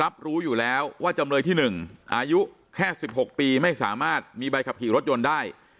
รับรู้อยู่แล้วว่าจำเลยที่๑อายุแค่๑๖ปีไม่สามารถมีใบขับขี่รถยนต์ได้